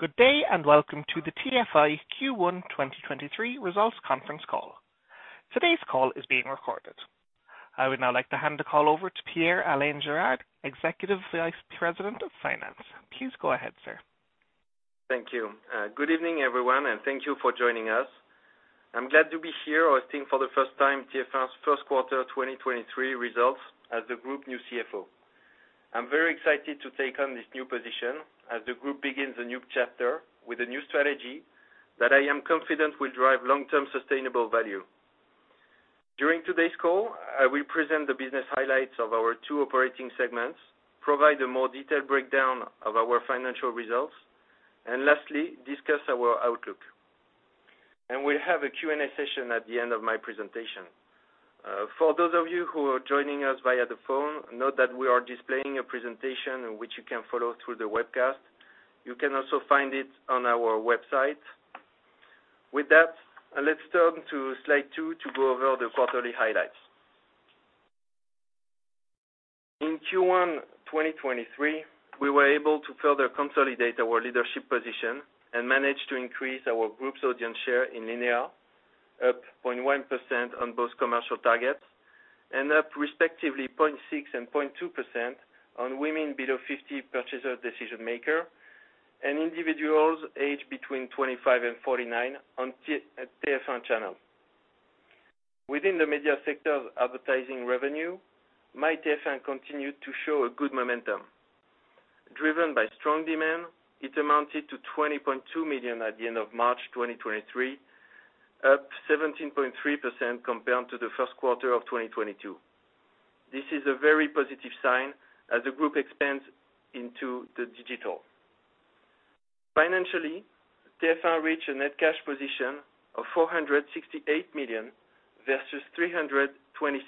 Good day, and welcome to the TF1 Q1 2023 Results Conference Call. Today's call is being recorded. I would now like to hand the call over to Pierre-Alain Gérard, Executive Vice President of Finance. Please go ahead, sir. Thank you. Good evening, everyone, and thank you for joining us. I'm glad to be here hosting for the first time TF1's first quarter 2023 results as the Group new CFO. I'm very excited to take on this new position as the Group begins a new chapter with a new strategy that I am confident will drive long-term sustainable value. During today's call, I will present the business highlights of our two operating segments, provide a more detailed breakdown of our financial results, lastly, discuss our outlook. We'll have a Q&A session at the end of my presentation. For those of you who are joining us via the phone, note that we are displaying a presentation which you can follow through the webcast. You can also find it on our website. With that, let's turn to slide two to go over the quarterly highlights. In Q1 2023, we were able to further consolidate our leadership position and managed to increase our group's audience share in linear, up 0.1% on both commercial targets and up respectively 0.6% and 0.2% on women below 50 purchaser decision-maker and individuals aged between 25 and 49 on TF, TF1 channel. Within the media sector of advertising revenue, MyTF1 continued to show a good momentum. Driven by strong demand, it amounted to 20.2 million at the end of March 2023, up 17.3% compared to the first quarter of 2022. This is a very positive sign as the Group expands into the digital. Financially, TF1 reached a net cash position of 468 million versus 326 million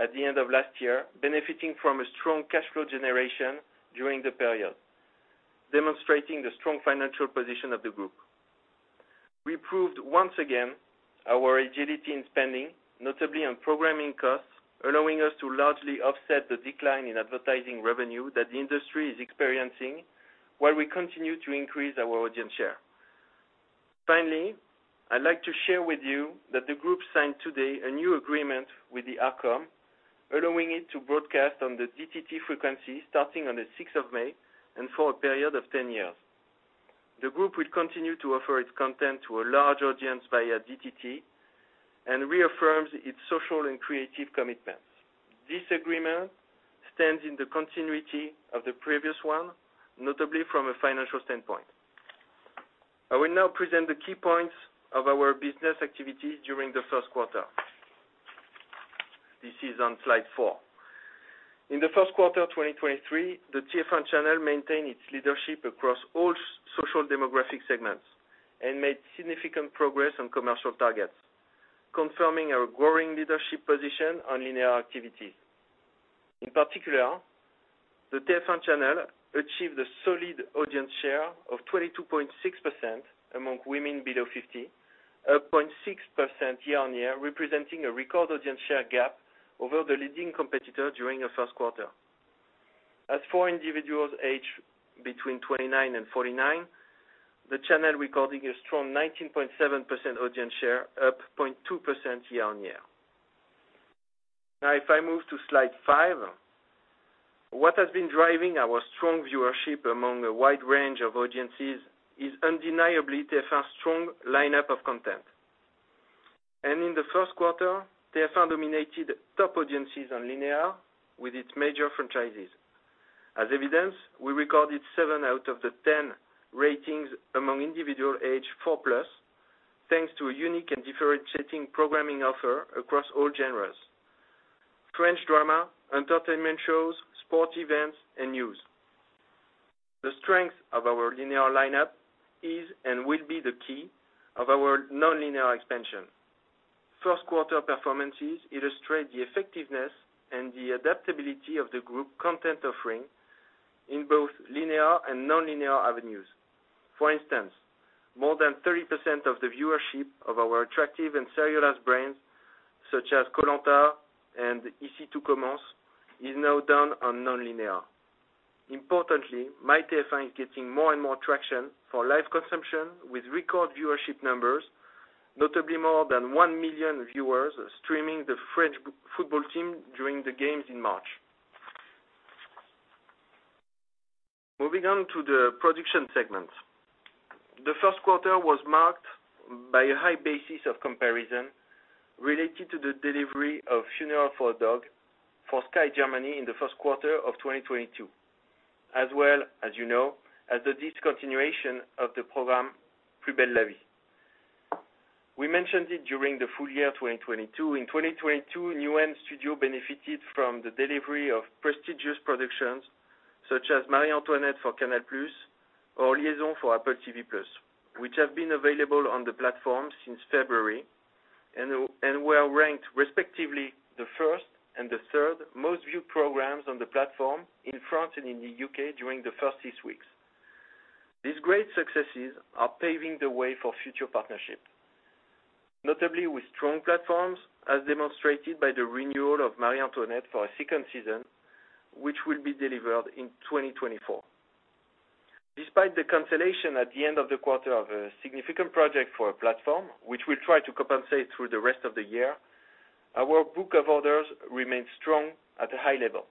at the end of last year, benefiting from a strong cash flow generation during the period, demonstrating the strong financial position of the group. We proved once again our agility in spending, notably on programming costs, allowing us to largely offset the decline in advertising revenue that the industry is experiencing, while we continue to increase our audience share. I'd like to share with you that the Group signed today a new agreement with the Arcom, allowing it to broadcast on the DTT frequency starting on the sixth of May and for a period of 10 years. The Group will continue to offer its content to a large audience via DTT and reaffirms its social and creative commitments. This agreement stands in the continuity of the previous one, notably from a financial standpoint. I will now present the key points of our business activity during the first quarter. This is on slide 4. In the first quarter of 2023, the TF1 channel maintained its leadership across all social demographic segments and made significant progress on commercial targets, confirming our growing leadership position on linear activity. In particular, the TF1 channel achieved a solid audience share of 22.6% among women below 50, up 0.6% year-on-year, representing a record audience share gap over the leading competitor during the first quarter. Individuals aged between 29-49, the channel recording a strong 19.7% audience share, up 0.2% year-on-year. If I move to slide 5, what has been driving our strong viewership among a wide range of audiences is undeniably TF1's strong lineup of content. In the first quarter, TF1 dominated top audiences on linear with its major franchises. As evidence, we recorded 7 out of the 10 ratings among individual age 4+, thanks to a unique and differentiating programming offer across all genres: French drama, entertainment shows, sports events, and news. The strength of our linear lineup is and will be the key of our nonlinear expansion. First quarter performances illustrate the effectiveness and the adaptability of the Group content offering in both linear and nonlinear avenues. For instance, more than 30% of the viewership of our attractive and serialized brands, such as Koh-Lanta and Ici tout commence, is now done on nonlinear. Importantly, MyTF1 is getting more and more traction for live consumption with record viewership numbers, notably more than 1 million viewers streaming the French football team during the games in March. Moving on to the production segment. The first quarter was marked by a high basis of comparison related to the delivery of Funeral for a Dog for Sky Germany in the first quarter of 2022, as well as you know, as the discontinuation of the program, Plus belle la vie. We mentioned it during the full year 2022. In 2022, Newen Studios benefited from the delivery of prestigious productions such as Marie Antoinette for Canal+ or Liaison for Apple TV+, which have been available on the platform since February and were ranked respectively the first and the third most viewed programs on the platform in France and in the UK during the first 6 weeks. These great successes are paving the way for future partnerships. Notably with strong platforms as demonstrated by the renewal of Marie Antoinette for a second season, which will be delivered in 2024. Despite the cancellation at the end of the quarter of a significant project for a platform, which we'll try to compensate through the rest of the year, our book of orders remains strong at a high level.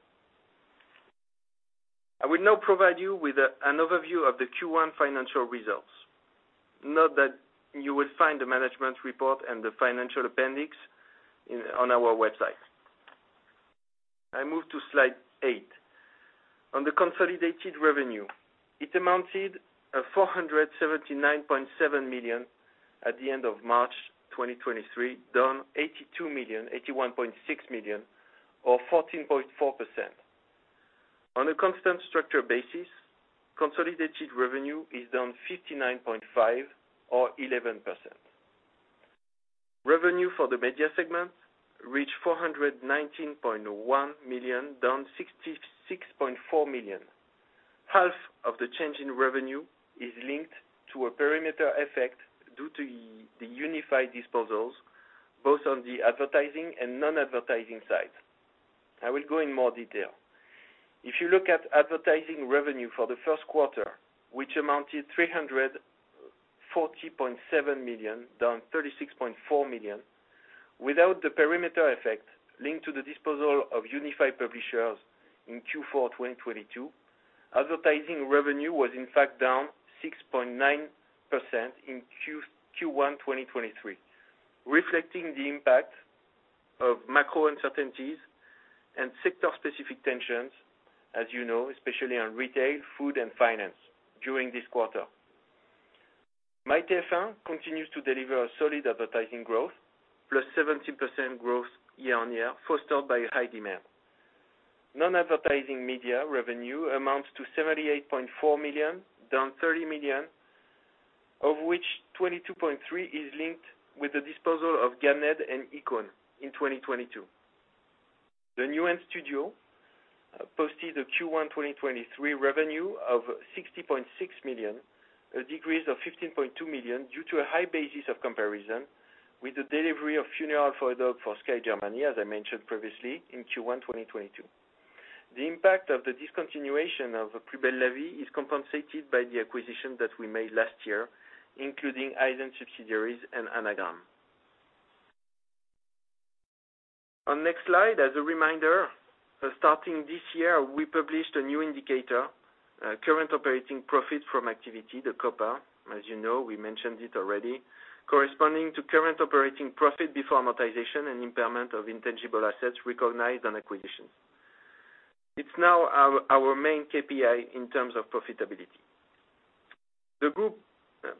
I will now provide you with an overview of the Q1 financial results. Note that you will find the management report and the financial appendix on our website. I move to slide 8. On the consolidated revenue, it amounted 479.7 million at the end of March 2023, down 81.6 million or 14.4%. On a constant structure basis, consolidated revenue is down 59.5 or 11%. Revenue for the media segment reached 419.1 million, down 66.4 million. Half of the change in revenue is linked to a perimeter effect due to the Unify disposals, both on the advertising and non-advertising side. I will go in more detail. If you look at advertising revenue for the first quarter, which amounted 340.7 million, down 36.4 million. Without the perimeter effect linked to the disposal of Unify Publishers in Q4 2022, advertising revenue was in fact down 6.9% in Q1 2023, reflecting the impact of macro uncertainties and sector-specific tensions, as you know, especially on retail, food, and finance during this quarter. MyTF1 continues to deliver a solid advertising growth, plus 17% growth year-on-year, fostered by high demand. Non-advertising media revenue amounts to 78.4 million, down 30 million, of which 22.3 million is linked with the disposal of Gamned! and Ykone in 2022. The Newen Studios posted a Q1 2023 revenue of 60.6 million, a decrease of 15.2 million due to a high basis of comparison with the delivery of Funeral for a Dog for Sky Germany, as I mentioned previously in Q1 2022. The impact of the discontinuation of Plus belle la vie is compensated by the acquisition that we made last year, including iZen subsidiaries and Anagram. On next slide, as a reminder, starting this year, we published a new indicator, current operating profit from activities, the COPA, as you know, we mentioned it already, corresponding to current operating profit before amortization and impairment of intangible assets recognized on acquisitions. It's now our main KPI in terms of profitability. The Group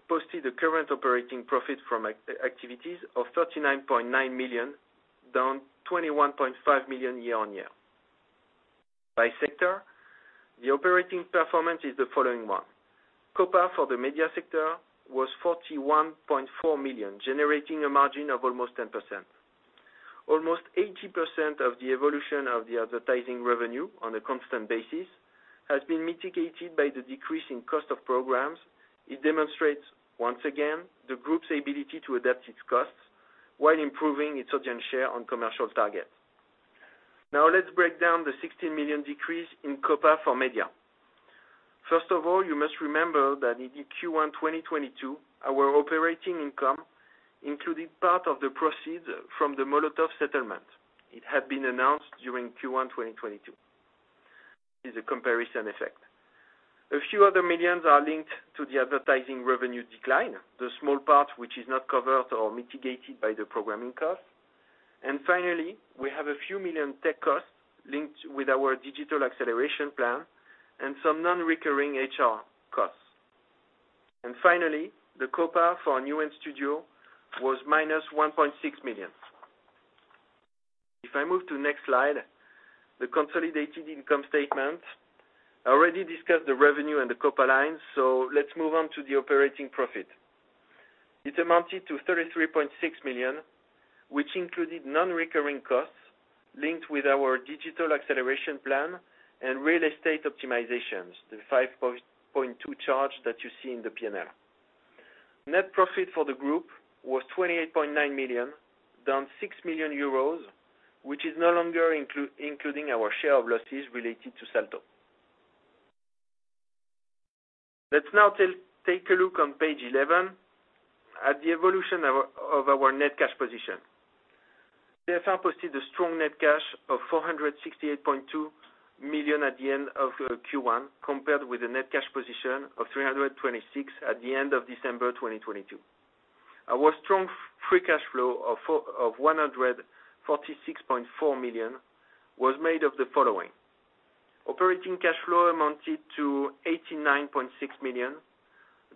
posted a current operating profit from activities of 39.9 million, down 21.5 million year-on-year. By sector, the operating performance is the following one. COPA for the media sector was 41.4 million, generating a margin of almost 10%. Almost 80% of the evolution of the advertising revenue on a constant basis has been mitigated by the decrease in cost of programs. It demonstrates, once again, the group's ability to adapt its costs while improving its audience share on commercial targets. Let's break down the 16 million decrease in COPA for media. First of all, you must remember that in Q1 2022, our operating income included part of the proceeds from the Molotov settlement. It had been announced during Q1 2022. Is a comparison effect. A few other millions are linked to the advertising revenue decline, the small part which is not covered or mitigated by the programming costs. Finally, we have a few million tech costs linked with our digital acceleration plan and some non-recurring HR costs. Finally, the COPA for Newen Studios was -1.6 million. If I move to next slide, the consolidated income statement. I already discussed the revenue and the COPA lines, so let's move on to the operating profit. It amounted to 33.6 million, which included non-recurring costs linked with our digital acceleration plan and real estate optimizations, the 5.2 charge that you see in the P&L. Net profit for the Group was 28.9 million, down 6 million euros, which is no longer including our share of losses related to Salto. Let's now take a look on page 11 at the evolution of our net cash position. TF1 posted a strong net cash of 468.2 million at the end of Q1, compared with a net cash position of 326 million at the end of December 2022. Our strong free cash flow of 146.4 million was made of the following. Operating cash flow amounted to 89.6 million,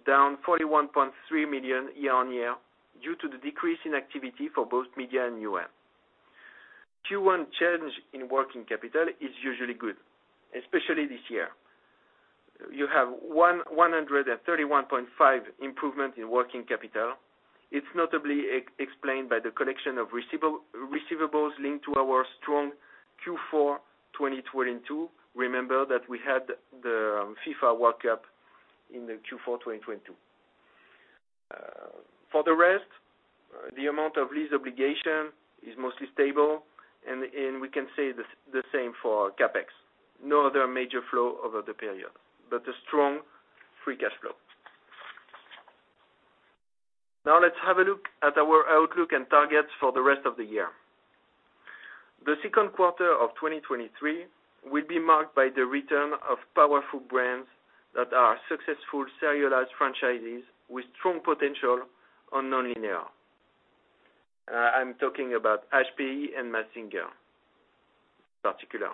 down 41.3 million year-on-year, due to the decrease in activity for both media and Newen. Q1 change in working capital is usually good, especially this year. You have 131.5 improvement in working capital. It's notably explained by the collection of receivables linked to our strong Q4 2022. Remember that we had the FIFA World Cup in the Q4 2022. For the rest, the amount of lease obligation is mostly stable and we can say the same for CapEx. No other major flow over the period, a strong free cash flow. Let's have a look at our outlook and targets for the rest of the year. The second quarter of 2023 will be marked by the return of powerful brands that are successful serialized franchises with strong potential on nonlinear. I'm talking about HPI and Mask Singer particular.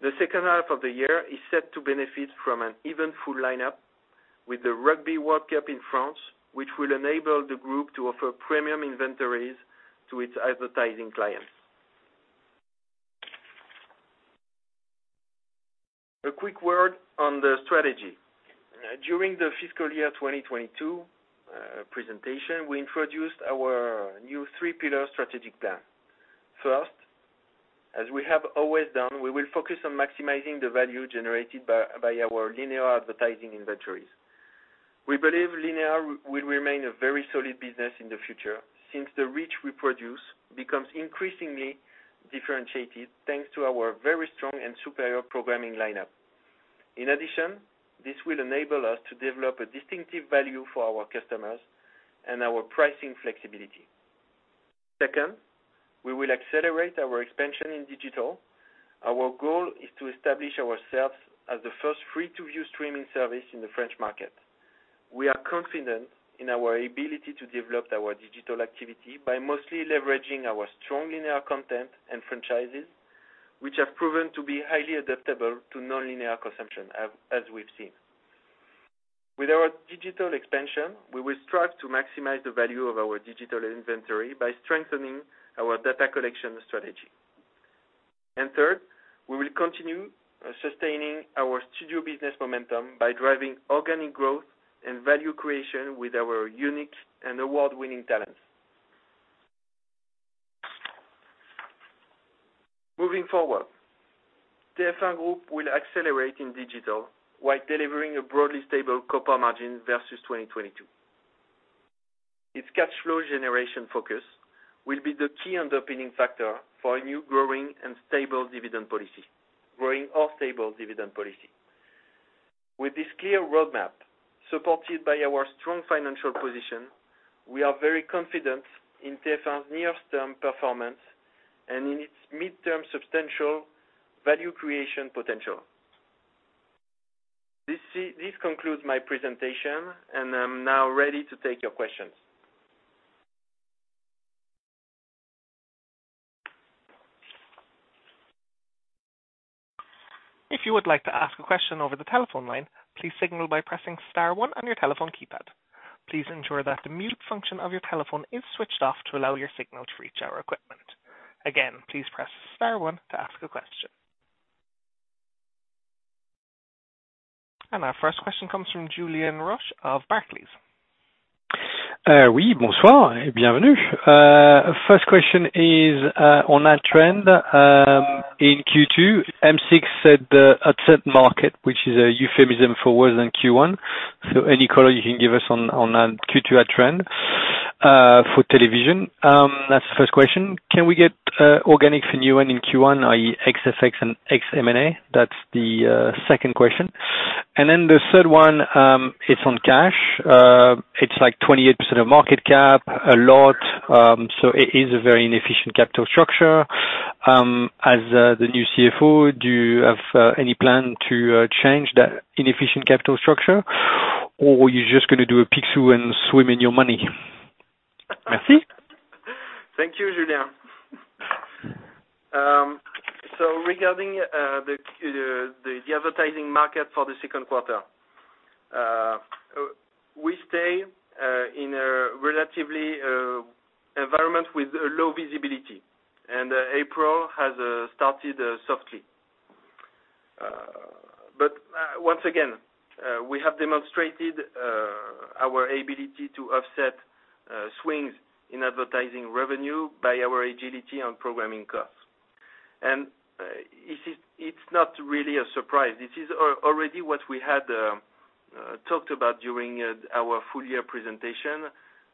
The second half of the year is set to benefit from an even full lineup with the Rugby World Cup in France, which will enable the Group to offer premium inventories to its advertising clients. A quick word on the strategy. During the fiscal year 2022 presentation, we introduced our new three pillar strategic plan. First, as we have always done, we will focus on maximizing the value generated by our linear advertising inventories. We believe linear will remain a very solid business in the future, since the reach we produce becomes increasingly differentiated thanks to our very strong and superior programming lineup. In addition, this will enable us to develop a distinctive value for our customers and our pricing flexibility. Second, we will accelerate our expansion in digital. Our goal is to establish ourselves as the first free-to-use streaming service in the French market. We are confident in our ability to develop our digital activity by mostly leveraging our strong linear content and franchises, which have proven to be highly adaptable to nonlinear consumption as we've seen. With our digital expansion, we will strive to maximize the value of our digital inventory by strengthening our data collection strategy. Third, we will continue sustaining our studio business momentum by driving organic growth and value creation with our unique and award-winning talents. Moving forward, TF1 Group will accelerate in digital while delivering a broadly stable COPA margin versus 2022. Its cash flow generation focus will be the key underpinning factor for a new, growing and stable dividend policy. Growing or stable dividend policy. With this clear roadmap, supported by our strong financial position, we are very confident in TF1's near-term performance and in its midterm substantial value creation potential. This concludes my presentation, and I'm now ready to take your questions. If you would like to ask a question over the telephone line, please signal by pressing star 1 on your telephone keypad. Please ensure that the mute function of your telephone is switched off to allow your signal to reach our equipment. Again, please press star 1 to ask a question. Our first question comes from Julien Roch of Barclays. Oui, bonsoir. Bienvenue. First question is on ad trend. In Q2, M6 said the ad net market, which is a euphemism for worse than Q1. Any color you can give us on Q2 ad trend for television? That's the first question. Can we get organic for Newen in Q1, i.e. XFX and X-M&A? That's the second question. The third one is on cash. It's like 28% of market cap, a lot, so it is a very inefficient capital structure. As the new CFO, do you have any plan to change that inefficient capital structure, or you're just gonna do a pixel and swim in your money? Merci. Thank you, Julien. Regarding the advertising market for the second quarter. We stay in a relatively environment with low visibility. April has started softly. Once again, we have demonstrated our ability to offset swings in advertising revenue by our agility on programming costs. It's not really a surprise. This is already what we had talked about during our full year presentation,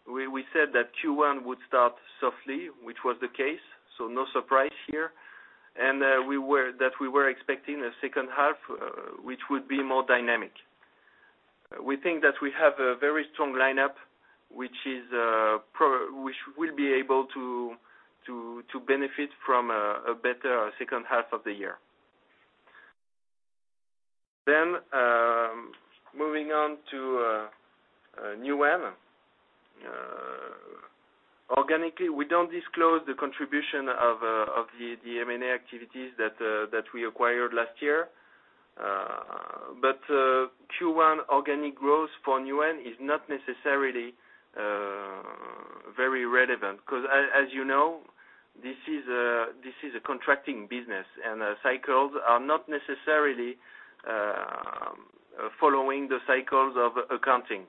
where we said that Q1 would start softly, which was the case. No surprise here. We were expecting a second half which would be more dynamic. We think that we have a very strong lineup, which we'll be able to benefit from a better second half of the year. Moving on to Newen. Organically, we don't disclose the contribution of the M&A activities that we acquired last year. Q1 organic growth for Newen is not necessarily very relevant, because as you know, this is a contracting business, and cycles are not necessarily following the cycles of accounting.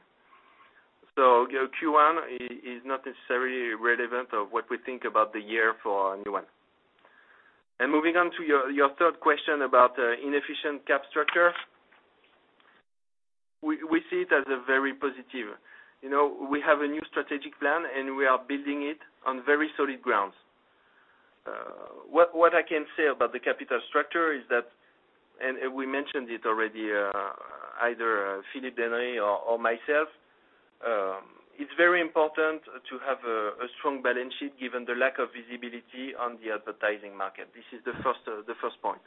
Q1 is not necessarily relevant of what we think about the year for Newen. Moving on to your third question about inefficient cap structure. We see it as a very positive. You know, we have a new strategic plan, and we are building it on very solid grounds. What I can say about the capital structure is that... We mentioned it already, either Philippe Denery or myself, it's very important to have a strong balance sheet given the lack of visibility on the advertising market. This is the first point.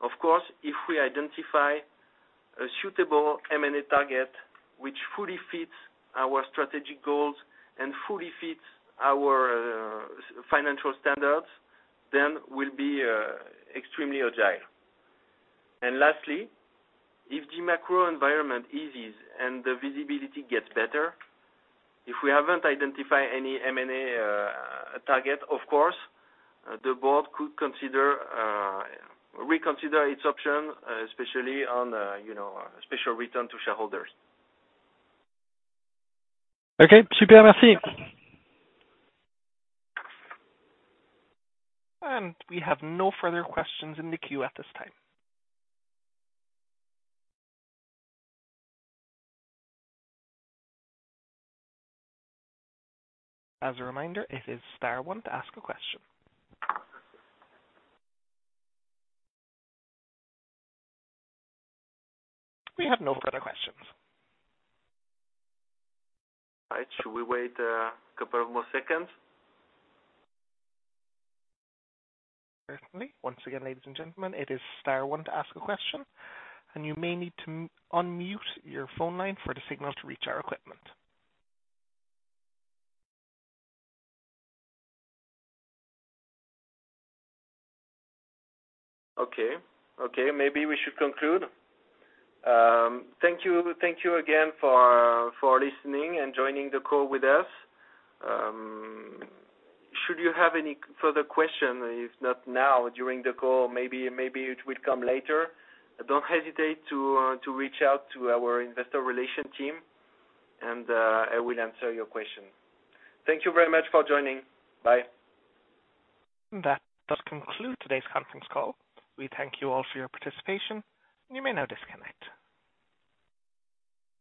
Of course, if we identify a suitable M&A target which fully fits our strategic goals and fully fits our financial standards, then we'll be extremely agile. Lastly, if the macro environment eases and the visibility gets better, if we haven't identified any M&A target, of course, the board could consider reconsider its option, especially on, you know, special return to shareholders. Okay. Super. Merci. We have no further questions in the queue at this time. As a reminder, it is star one to ask a question. We have no further questions. All right. Should we wait a couple of more seconds? Certainly. Once again, ladies and gentlemen, it is star one to ask a question, and you may need to unmute your phone line for the signal to reach our equipment. Okay. Okay, maybe we should conclude. Thank you. Thank you again for listening and joining the call with us. Should you have any further question, if not now during the call, maybe it will come later, don't hesitate to reach out to our investor relations team. I will answer your question. Thank you very much for joining. Bye. That does conclude today's conference call. We thank you all for your participation. You may now disconnect.